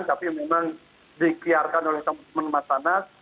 masa lalu yang terlalu panjang tapi memang dikeliarkan oleh teman teman di sana